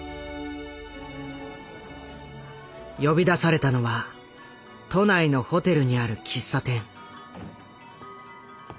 呼び出されたのは都内のホテルにある喫茶店。